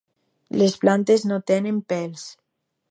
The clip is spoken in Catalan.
Les plantes no tenen pèls.